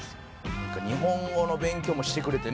日本語の勉強もしてくれてね